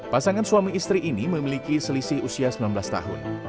pasangan suami istri ini memiliki selisih usia sembilan belas tahun